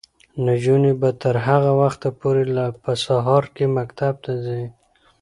نجونې به تر هغه وخته پورې په سهار کې مکتب ته ځي.